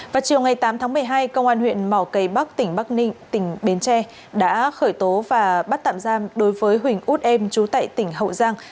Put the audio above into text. vào chiều ngày tám tháng một mươi hai công an huyện mỏ cây bắc tỉnh bắc ninh tỉnh bến tre đã khởi tố và bắt tạm giam đối với huỳnh út em trú tại tỉnh hậu giang